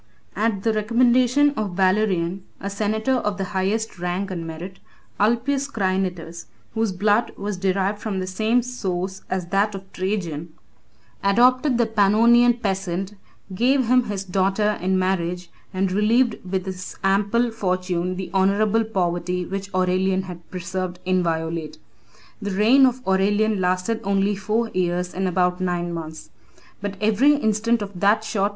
At the recommendation of Valerian, a senator of the highest rank and merit, Ulpius Crinitus, whose blood was derived from the same source as that of Trajan, adopted the Pannonian peasant, gave him his daughter in marriage, and relieved with his ample fortune the honorable poverty which Aurelian had preserved inviolate. 18 17 (return) [ Theoclius (as quoted in the Augustan History, p.